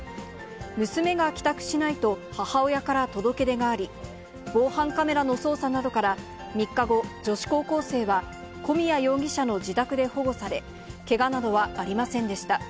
娘が帰宅しないと、母親から届け出があり、防犯カメラの捜査などから、３日後、女子高校生は古宮容疑者の自宅で保護され、けがなどはありませんでした。